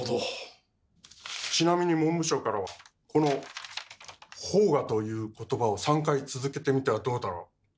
ちなみに文部省からはこの「奉賀」ということばを３回続けてみたらどうだろうと。